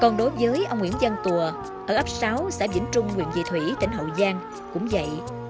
còn đối với ông nguyễn văn tùa ở ấp sáu xã vĩnh trung nguyện vị thủy tỉnh hậu giang cũng vậy